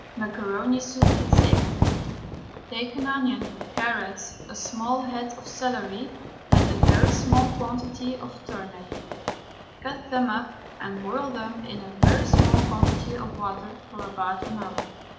MACARONI SOUP (THICK). Take an onion, carrot, a small head of celery and a very small quantity of turnip; cut them up and boil them in a very small quantity of water for about an hour.